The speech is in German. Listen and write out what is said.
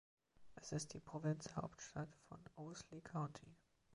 Es ist die Provinzhauptstadt von Owsley County.